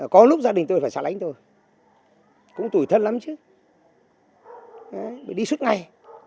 có lúc gia đình tôi phải xả lánh tôi cũng tuổi thân lắm chứ đi suốt ngày